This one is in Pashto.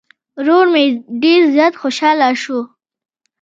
ورور مې ډير زيات خوشحاله شو